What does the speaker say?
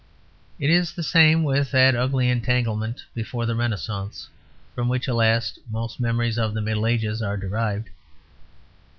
It is the same with that ugly entanglement before the Renaissance, from which, alas, most memories of the Middle Ages are derived.